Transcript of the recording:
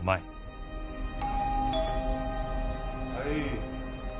はい